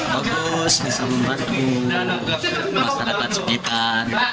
bagus bisa membantu masyarakat sekitar